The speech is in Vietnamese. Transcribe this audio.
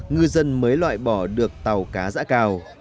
ngư dân mới loại bỏ được tàu cá giã cào